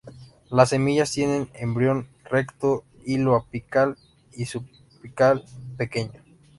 Las semillas tienen embrión recto, hilo apical o subapical, pequeño.